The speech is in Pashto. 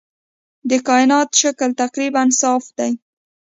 د کائنات شکل تقریباً صاف دی.